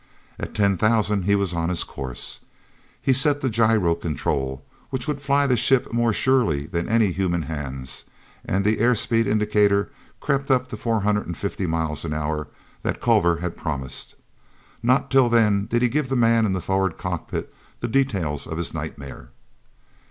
At ten thousand he was on his course. He set the gyro control which would fly the ship more surely than any human hands, and the air speed indicator crept up to the four hundred and fifty miles an hour that Culver had promised. Not till then did he give the man in the forward cockpit the details of his "nightmare."